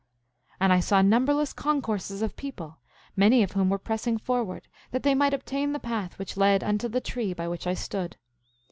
8:21 And I saw numberless concourses of people, many of whom were pressing forward, that they might obtain the path which led unto the tree by which I stood.